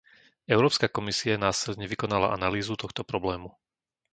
Európska komisia následne vykonala analýzu tohto problému.